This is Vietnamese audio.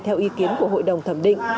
theo ý kiến của hội đồng thẩm định